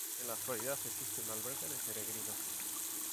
En la actualidad, existe un albergue de peregrinos.